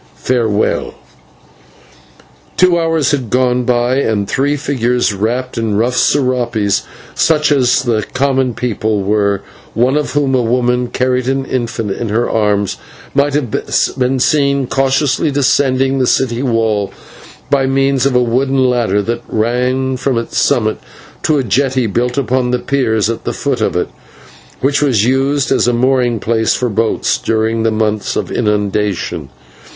Farewell." Two hours had gone by, and three figures, wrapped in rough /serapes/, such as the common people wore, one of whom, a woman, carried an infant in her arms, might have been seen cautiously descending the city wall by means of a wooden ladder that ran from its summit to a jetty built upon piers at the foot of it, which was used as a mooring place for boats during the months of inundation.